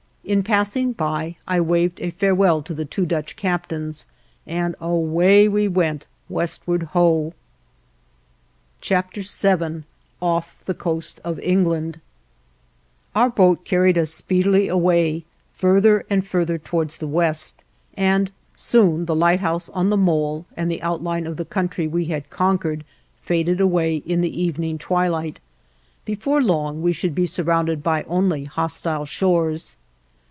In passing by, I waved a farewell to the two Dutch captains, and away we went westward ho! VII OFF THE COAST OF ENGLAND Our boat carried us speedily away farther and farther towards the west, and soon the lighthouse on the mole and the outline of the country we had conquered faded away in the evening twilight. Before long we should be surrounded by only hostile shores.